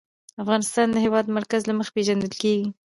افغانستان د د هېواد مرکز له مخې پېژندل کېږي.